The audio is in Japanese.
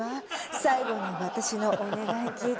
「最後に私のお願い聞いて」